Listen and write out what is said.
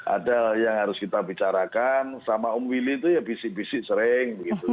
ada yang harus kita bicarakan sama om willy itu ya bisik bisik sering